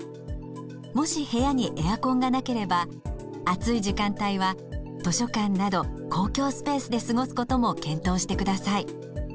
もし部屋にエアコンがなければ暑い時間帯は図書館など公共スペースで過ごすことも検討してください。